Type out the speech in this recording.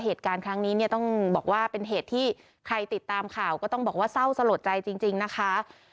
เหตุการณ์ครั้งนี้เนี่ยต้องบอกว่าเป็นเหตุที่ใครติดตามข่าวก็ต้องบอกว่าเศร้าสลดใจจริงนะคะ